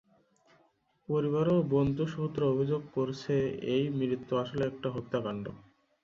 পরিবার ও বন্ধু-সুহূদরা অভিযোগ করছে, এই মৃত্যু আসলে একটা হত্যাকাণ্ড।